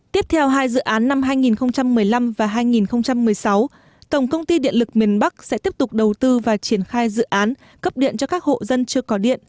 tiếp theo hai dự án năm hai nghìn một mươi năm và hai nghìn một mươi sáu tổng công ty điện lực miền bắc sẽ tiếp tục đầu tư và triển khai dự án cấp điện cho các hộ dân chưa có điện